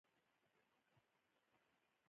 ورکزیو اوغانانو د هغوی مالونه لوټ کړي.